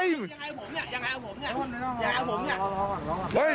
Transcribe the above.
อย่าเอาผมเนี่ยอย่าเอาผมเนี่ย